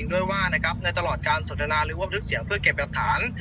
ด้วยว่านะครับในตลอดการสดรนาหรือว่าพักเคี่ยงเสียงเพื่อเก็บปรับฐาน